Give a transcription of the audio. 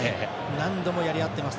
何度もやり合っています。